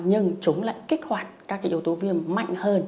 nhưng chúng lại kích hoạt các yếu tố viêm mạnh hơn